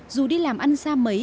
dù đi làm ăn xa mấy